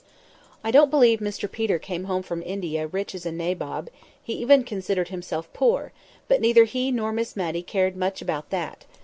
I don't believe Mr Peter came home from India as rich as a nabob; he even considered himself poor, but neither he nor Miss Matty cared much about that.